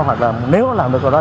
hoặc là nếu nó làm được câu đó